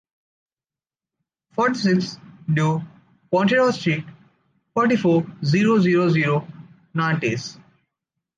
forty six du Pontereau Street, forty-four, zero zero zero, Nantes